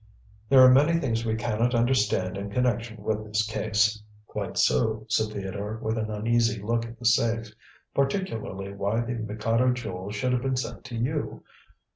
"There are many things we cannot understand in connection with this case." "Quite so," said Theodore, with an uneasy look at the safe; "particularly why the Mikado Jewel should have been sent to you.